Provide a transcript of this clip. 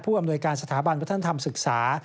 อำนวยการสถาบันวัฒนธรรมศึกษา